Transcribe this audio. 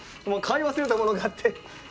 もう買い忘れたものがあって。